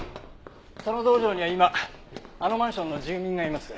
その道場には今あのマンションの住人がいます。